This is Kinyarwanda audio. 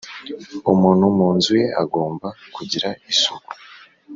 umuntu mu nzu ye agomba kugira isuku